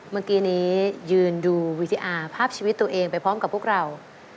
เมื่อกี้นี้ยืนดูวีดีอาร์ภาพชีวิตตัวเองไปพร้อมกับพวกเรา